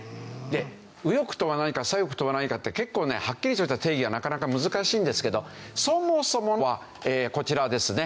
で右翼とは何か左翼とは何かって結構ねはっきりとした定義はなかなか難しいんですけどそもそもはこちらですね。